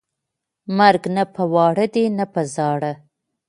د امپراتورۍ په وخت کې نوښتونه په ټپه ودرېدل.